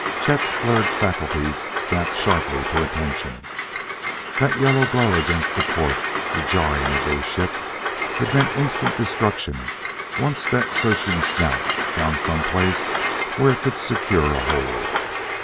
Chet's blurred faculties snapped sharply to attention. That yellow glow against the port the jarring of their ship it meant instant destruction once that searching snout found some place where it could secure a hold.